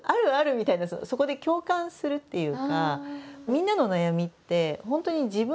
みたいなそこで共感するっていうか。